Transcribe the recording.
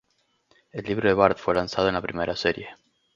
El libro de Bart fue lanzado en la primera serie.